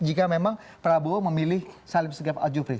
jika memang prabowo memilih salim segaf al jufri